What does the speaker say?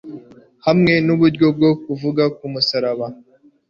Hamwe n’uburyo bwo kuvuga umusaraba